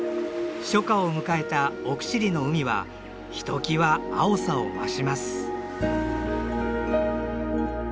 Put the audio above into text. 初夏を迎えた奥尻の海はひときわ青さを増します。